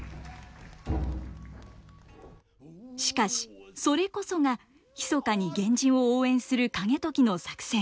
しかしそれこそが密かに源氏を応援する景時の作戦。